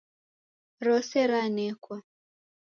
Rose ranekwa